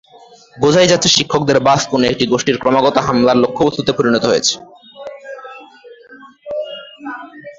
বোঝাই যাচ্ছে, শিক্ষকদের বাস কোনো একটি গোষ্ঠীর ক্রমাগত হামলার লক্ষ্যবস্তুতে পরিণত হয়েছে।